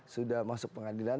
sudah masuk pengadilan